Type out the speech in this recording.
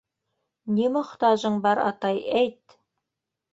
- Ни мохтажың бар, атай, әйт?